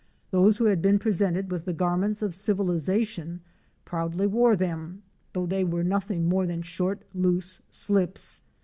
Those who had been presented with the garments of civilization proudly wore them, though they were nothing more than short, loose slips.